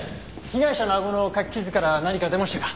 被害者のあごのかき傷から何か出ましたか？